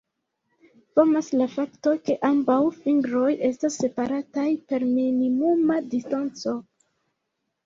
Famas la fakto ke ambaŭ fingroj estas separataj per minimuma distanco.